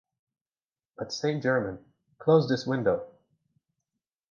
But, Saint-Germain, close this window...